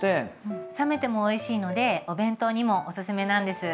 冷めてもおいしいのでお弁当にもおすすめなんです。